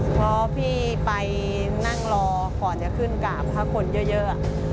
เพราะพี่ไปนั่งรอก่อนจะขึ้นกราบพระคนเยอะ